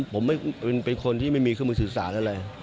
ผมเป็นคนที่ไม่มีเครื่องบินศึกษาอะไร